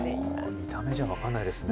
見た目じゃ分からないですね。